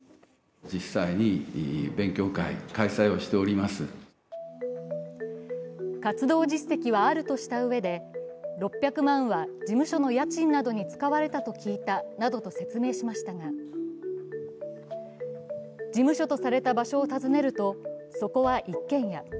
その政治団体には実体がないのではと指摘された秋葉大臣は先月の国会で活動実績はあるとしたうえで６００万は事務所の家賃などに使われたと聞いたなどと説明しましたが、事務所とされた場所を訪ねるとそこは一軒家。